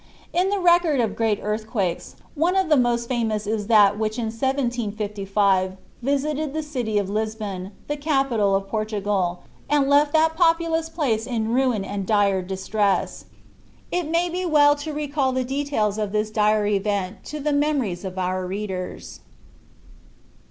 In the record of great earthquakes, one of the most famous is that which in 1755 visited the city of Lisbon, the capital of Portugal, and left that populous, place in ruin and dire distress. It may be well to recall the details of this dire event to the memories of our readers.